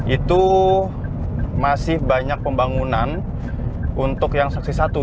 itu masih banyak pembangunan untuk yang saksi satu